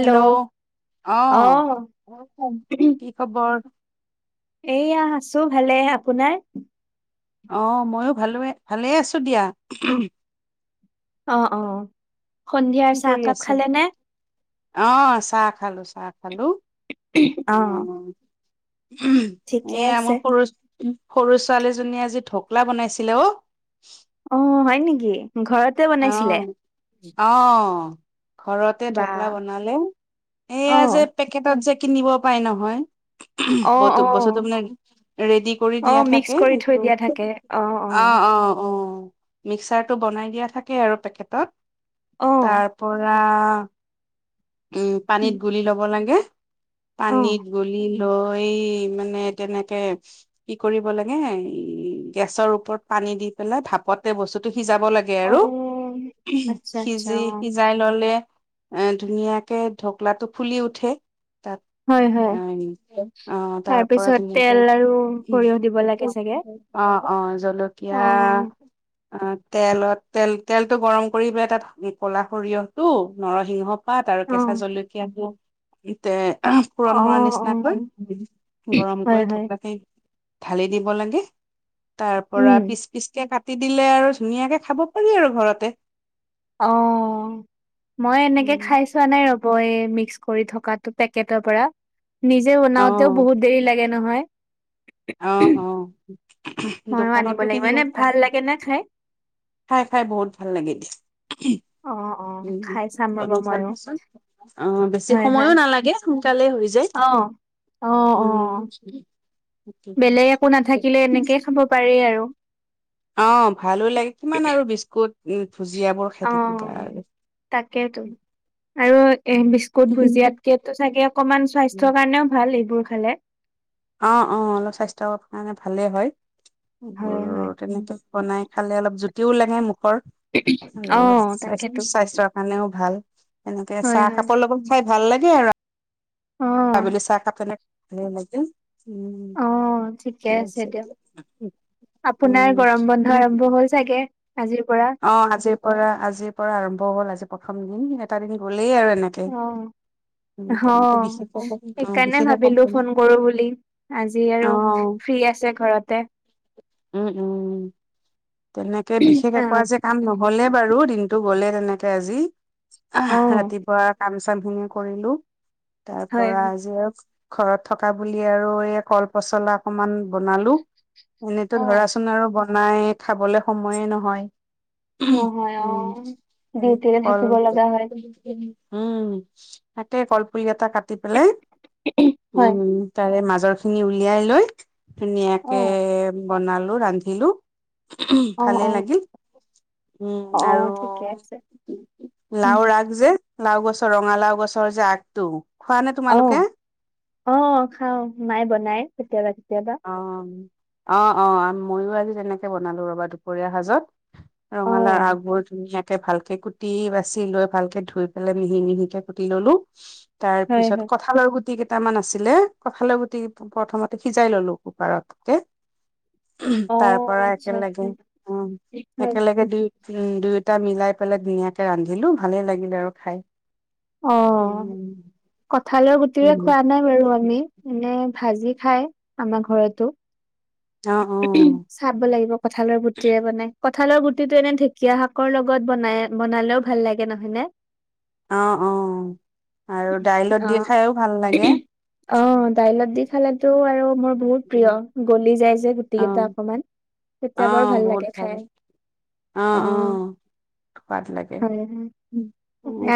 Hello. অ অহ, কি খবৰ? এইয়া আছোঁ ভালে। আপোনাৰ? অহ ময়ো ভালুৱে ভালে আছোঁ দিয়া। অ অ। সন্ধিয়াৰ কি কৰি চাহকাপ আছ? খালে নে আহ চাহ খালোঁ চাহ। খালোঁ। অ। ঠিকে এইয়া আছে মোৰ সৰু সৰু ছোৱালীজনীয়ে আজি ঢকলা বনাইছিলে অ। অহ হয় নেকি, ঘৰতে অ বনাইছিলে? অ ঘৰতে বা ঢকলা বনালে। এইয়া যে অ পেকেটত যে কিনিব পাই নহয়। অ ব টো অ বস্তুটো মানে ৰেডি কৰি অ দিয়া মিক্স থাকে। কৰি থৈ দিয়া থাকে অ অ অ। মিক্সাৰটো বনাই দিয়া থাকে আৰু পেকেটত। অ তাৰ পৰা। আ। উম পানীত গুলি ল'ব লাগে। অ পানীত গুলি। লৈ মানে তেনেকে কি কৰিব লাগে, গেছৰ ওপৰত পা- পানী দি পেলাই ভাপতে বস্তুটো সিজাব লাগে অ আৰু। আচ্ছা আচ্ছা সিজি অ সিজাই ল'লে - এ ধুনীয়াকে ঢকলাটো ফুলি উঠে। তাত হয় হয় অ অ তাৰ পৰা তাৰপিছত ধুনিয়াকে। তেল আৰু সৰিয়হ দিব লাগে চাগে অ অ অ জলকীয়া আ। তেলত তেল তেলতটো গৰম কৰি পাই তাত ক'লা সৰিয়হটো, নৰসিংহ- পাত আৰু অ কেঁচা জলকীয়া ডিউক। ইতে পুৰণ অ মৰা অ নিচিনাাকৈ গৰম হয় কৰি হয় থকাকে- ঢালি দিব লাগে, তাৰ পৰা উম পিচ পিচ কে কাট টি দিলে আৰু ধুনীয়াকে খাব পাৰি আৰু ঘৰতে। অ। মই এনেকে খাই চোৱা নাই ৰব। মিক্স কৰি থকাটো পেকটৰ পৰা। নিজে অ বনাওতেও বহুত দেৰি লাগে- নহয়। অ অ ময়ো আনিব দোকানতো লাগিব কিনিব এনে পাৰ। ভাল লাগে নে খাই? খাই খাই বহুত ভাল লাগে দিয়া। অ', অ', উম খাই চাম ৰ'ব বনাই ময়ো চাবচোন। অ বেছি হয়, সময়ো হয় নালাগে। তালে হৈ যায়। অ'। অ', উম। অ', বেলেগ একো নাথাকিলে এনেকে খাব পাৰি আৰু। অ ভালো লাগে কিমান আৰু বিস্কুট। উম, ভুজিয়াবোৰ খাই অ থাকিবা আৰু তাকেইেতো আৰু এ বিস্কুট ভুজিয়াতকে টো চাগে অকমান স্বাস্থ্যৰ কাৰণেও ভাল এইবোৰ খালে। অ অ অলপ স্বাস্থ্য কাৰণে ভালে হয়। হয়, হয়। বোৰ তেনেকে বনাই খালে অলপ জুতিও লাগে মুখ। আৰু অ', তাকেতো স্বাস্থ্যৰ কাৰণেও। ভাল এনেকে হয়, চাহ হয় কাপৰ লগত খাই ভাল লাগে আৰু। অ', আবেলি চাহ কাপ খালে লে উম। অ ঠিকে আছে দিয়ক। আপোনাৰ উম গৰম বন্ধ তুমি আৰম্ভ হল চাগে? আজিৰ পৰা? অ আজিৰ পৰা আজিৰ পৰা আৰম্ভ হল আজি প্ৰথম দিন এটা দিন গ'ল। লে আৰু এনেকে। উম অ তেনেকে বিশেষ একো অ সেইকাৰণে বিশেষ একো ভাবিলো ফোন কৰো বুলি আজি আৰু। অ ফ্ৰী আছে ঘৰতে। উম উম তেনেকে বিশেষ একো আহ আজি কাম নহলে বাৰু দিনটো গলে তেনেকে আজি। অ ৰাতিপুৱা কাম চাম চাম খিনিয়ে কৰিলো। তাৰ হয় পৰা হয় যে। ঘৰত থকা বুলি আৰু এই কল পচলা অকমান বনালো। অ, এনেতো ধৰাচোন আৰু বনাই খাবলে সময়ে নহয়। উম নহয় অ ডিউটিৰে থাকিব লগা হয় উম--কলপুলি উম, তাকে কলপুলি এটা কাটি পেলাই, হয় উম, তাৰে মা মাজৰ খিনি উলিয়াই লৈ অ ধুনীয়াকে বনালো, ৰান্ধিলো। অ ভালে অ লাগিল। উম, অ আৰু ঠিকে আছে উম লাওৰ আগ যে লাও গছৰ, ৰঙালাও গছৰ যে আগটো খোৱা নে তোমালোকে? অ-অ, খাও, মায়ে বনাই কেতিয়াবা-কেতিয়াবা অ-অ-অ, মইয়ো আজি তেনেকে বনালো ৰবা, দুপৰীয়া সাজত অ ৰঙালাও আগবোৰ ধুনীয়াকে ভালকে কুটি বাচি লৈ, ভালকে ধুই পেলাই, মিহি-মিহিকে কুটি ললো। তাৰ হয় পিছত হয় কঠালৰ গুটি কেইটামান আছিলে, কঠালৰ গুটি প্ৰথমতে সিজ সিজাই ললো, কুকাৰত গৈ অ তাৰ পৰা আচ্ছা একেলগে, আচ্ছা উম, হয় একেলগে দিওঁ উম, দুয়োটা মিলাই পেলাই ধুনীয়াকে ৰান্ধিলো, ভালেই লাগিলে আৰু খাই। অ, উম কঠালৰ গুটিৰে উম, খোৱা নাই বাৰু আমি, মানে ভাজি খাই, আমাৰ ঘৰতো অ অ চাব লাগিব, কঠালৰ গুটিৰে বনাই। কঁঠালৰ গুটিটো এনে ঢেকীয়া শাকৰ লগত বনাই-বনালেও ভাল লাগে, নহয় নে অ-অ, আৰু দাইলত দি অ'। খাইয়ো ভাল লাগে। অ, দাইলত দি খালেতো আৰু মোৰ বহুত প্ৰিয়, গলি যায় যে গুটি অ কেইটা অকমান, তেতিয়া বাৰু ভাল লাগে খাই। অ অহ--অহ সোৱাদ লাগে, হয় হয় উম,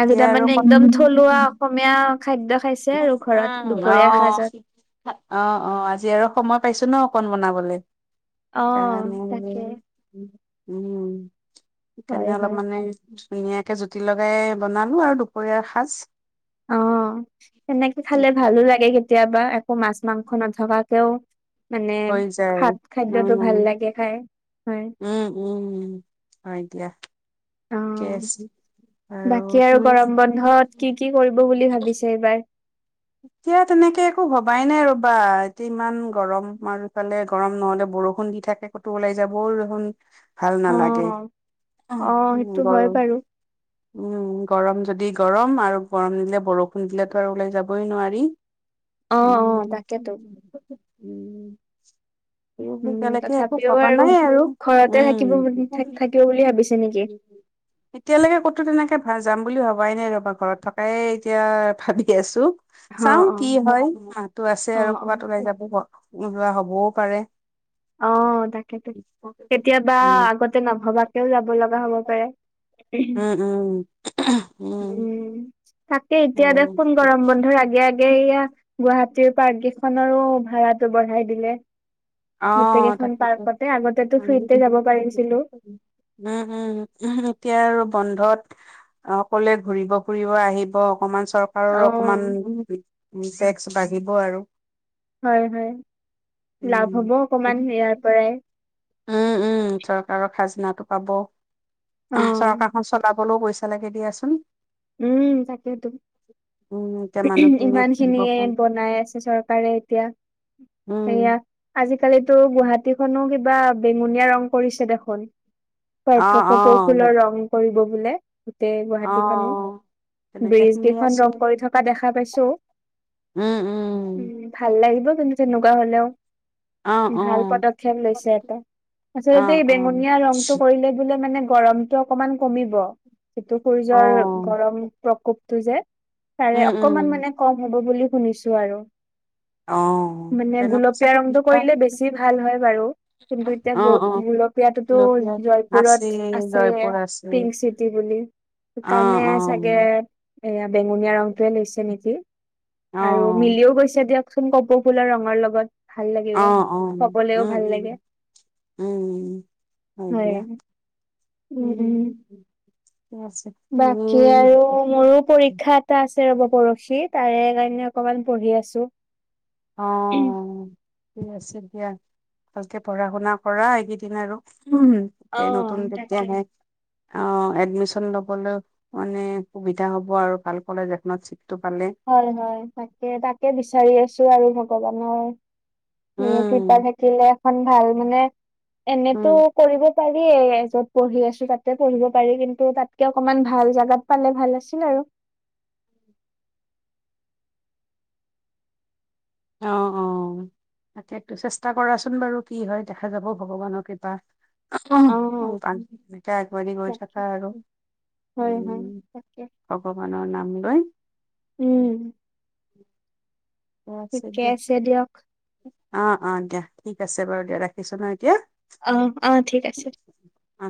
আজি আৰু তাৰমানে একদম থলুৱা অসমীয়া খাদ্য খাইছে আৰু ঘৰত দুপৰীয়াৰ সাজত অ-অ-অ, আজি আৰু সময় পাইছো ন। কন বনাবলৈ, অ সেইকাৰণে আজি তাকে উম, সেইকাৰনে হয় অলপ হয়। মানে ধুনীয়াকে জুতি লগাই বনালো আৰু দুপৰীয়াৰ সাজ। অ, সেনেকে খালে ভালো লাগে কেতিয়াবা, একো মাছ, মাংস নাথ নথকাকেও মানে, হৈ যায় খাদ-খাদ্যটো ভাল উম লাগে খাই, উম হয় দিয়া, থিকে আছে। বাকী আৰু তুমি কি গৰম বন্ধত কি-কি কৰিব বুলি ভাবিছে এইবাৰ? এতিয়া তেনেকে একো ভবাই নাই ৰ'বা, এতিয়া ইমান গৰম আৰু ফালে গৰম নহ'লে বৰষুণ দি থাকে, ক'তো ওলাই যাবও দেখোন ভাল নালাগে, অ', অ', সেইটো হয় গৰম বাৰু উম, গৰম যদি গৰম আৰু গৰম নিদিলে, বৰষুণ দিলেতো আৰু ওলাই যাবই নোৱাৰি। অ', অ', তাকেতো উম-উম উম, তথাপিও আৰু ঘৰতে উম থাকিব বুলি, থাকিব বুলি ভাবিছে নেকি? [inaudible] এতিয়ালৈকে ক'তো তেনেকে যাম বুলি ভবাই নাই ৰবা, ঘৰত থকাই এতিয়া ভাবি আছো। অ', চাওঁ অ', কি হয়, মনটো আছে আৰু অ', কৰ'বাত ওলাই যাব, ওলোৱা হ'বও পাৰে। অ, তাকেই তো। কেতিয়াবা, উম আগতে নভবাকেও যাব লগা হব পাৰে। উম, উম, উম তাকে, এতিয়া অ', দেখোন গৰম বন্ধুৰ আগে- আগে, এইয়া গুৱাহাটী তেওঁ পাৰ্ক কেইখনৰো ভাড়াটো বঢ়াই দিলে। অ, গোটেই কেইখন তাকেইতো পাৰ্কতে আগতেতো ফ্ৰীতে যাব পাৰিছিলো উম-উম-উম, এতিয়া আৰু বন্ধত অকলে ঘুৰিব-ফুৰিব আহিব, অকমান চৰকাৰৰ অ', অকমান উ টেক্স বাঢ়িব আৰু হয় হয় লাভ হব উম, অকমান ইয়াৰ পৰাই উম উম চৰকাৰৰ খাজনাটো পাব উ অ চৰকাৰখন চলাব। হলেও পইচা লাগে দিয়াচোন। উম তাকেইতো উম, এতিয়া মানুহখিনিয়ে ইমান ঘূৰিব খিনিয়ে ফুৰিব বনাই আছে চৰকাৰে এতিয়া। সেয়া উম, আজিকালিতো গুৱাহাটী গুটিখনো কিবা বেঙুনীয়া ৰং কৰিছে দেখোন। অ', কপৌ ফুলৰ অ', ৰং কৰিব বোলে গোটেই গুৱাহাটীত। অ', তেনেকে ব্ৰিজ শুনি কেইখন আছো ৰং কৰি থকা দেখা পাইছো। উম ভাল লাগিব কিন্তু তেনেকুৱা হলেও অ', ভাল অ'। পদক্ষেপ অ লৈছে এটা। অ আচলতে এই বেঙুনীয়া ৰংটো কৰিলে বোলে মানে। গৰমটো অকমান কমিব সিটো অ সূৰ্যৰ গৰম প্ৰকোপটো যে তাৰে উম উম অকমান মানে কম হ'ব বুলি শুনিছো আৰু অ মানে তেনেকুৱা গুলপীয়া চাগে ৰংটো কিবা কৰিলে বেছি ভাল হয় বাৰু। কিন্তু এতিয়া অ গ অ গুলপীয়া। এতিয়াতোতো গুলপীয়া আছে জয়পুৰত আছে জয়পুৰ আছে পিংক চিটি বুলি। অ কাৰণে অ চাগে এয়া বেঙুনীয়া ৰংটোয়ে লৈছে নেকি? অ আৰু মিলিও গৈছে দিয়কচোন কপৌ ফুলৰ ৰঙৰ লগত। ভাল অ অ লাগিব উম সকলোৱেও ভাল উম লাগে। উম হয় দিয়া। উম উম। ঠিকে আছে বাকী উম আৰু মোৰো পৰীক্ষা এটা আছে। ৰ'ব পৰহী তাৰে কাৰণে অকমান পঢ়ি আছো। অ ঠিক আছে দিয়া। ভালকে পঢ়া শুনা কৰা এইকেইদিন আৰু অ নতুন তাকে। আহে। অ এডমিশন লবলৈ মানে সুবিধা হব আৰু ভাল কলেজ এখনত চিটটো পালে হয় হয় তাকে তাকে বিচাৰি আছো আৰু ভগৱানৰ উম, কৃপা থাকিলে এখন ভাল মানে এনেতো উম, কৰিব। পাৰিয় যত পঢ়ি আছো তাতে পঢ়িব পাৰি। কিন্তু তাতকে অকমান ভাল জাগাত পালে ভাল আছিল আৰু [inaudible] অ অ তাকেটো চেষ্টা কৰাচোন বাৰু কি হয় দেখা যাব ভগৱানৰ কৃপা অ দুই টাই গৈ তাকে। থাকা আৰু হয় হয় উম তাকে ভগৱানৰ নাম লৈ উম। উ। ঠিকেই আছে দিয়ক। অ অ দিয়া ঠিক আছে বাৰু দিয়া ৰাখিছো ন এতিয়া। আহ আহ ঠিক আছে। অ'।